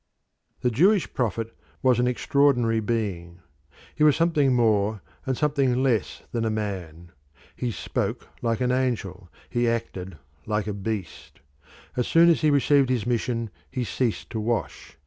The Jewish prophet was an extraordinary being. He was something more and something less than a man. He spoke like an angel; he acted like a beast. As soon as he received his mission he ceased to wash.